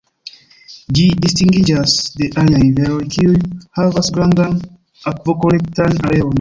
Ĝi distingiĝas de aliaj riveroj, kiuj havas grandan akvokolektan areon.